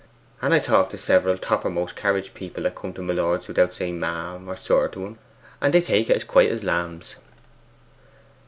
And I talk to several toppermost carriage people that come to my lord's without saying ma'am or sir to 'em, and they take it as quiet as lambs.